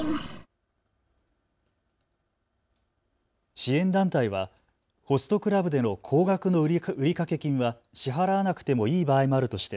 支援団体はホストクラブでの高額の売掛金は支払わなくてもいい場合もあるとして